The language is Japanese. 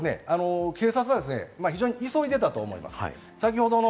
警察は非常に急いでいたと思います。